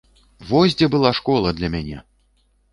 Вось дзе была школа для мяне!